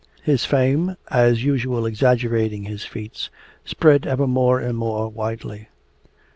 His fame, as usual exaggerating his feats, spread ever more and more widely.